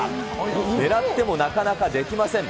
狙ってもなかなかできません。